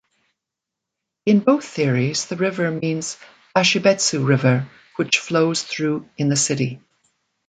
In both theories the river means Ashibetsu River, which flows through in the city.